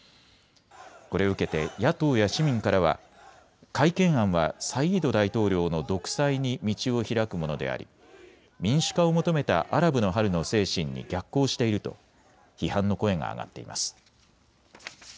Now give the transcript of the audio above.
これを受けて野党や市民からは改憲案はサイード大統領の独裁に道を開くものであり民主化を求めたアラブの春の精神に逆行していると批判の声が上がっています。